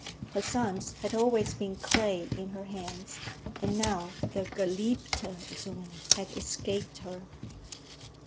Her sons had always been clay in her hands, and now the geliebter Sohn had escaped her.